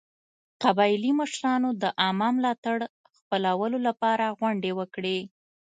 قبایلي مشرانو د عامه ملاتړ خپلولو لپاره غونډې وکړې.